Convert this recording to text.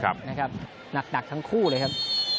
หนักนะครับหนักทั้งคู่เลยครับ